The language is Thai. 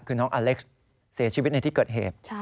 คือน้องอเล็กซ์เสียชีวิตในที่เกิดเหตุ